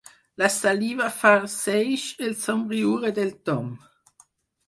La saliva farceix el somriure del Tom.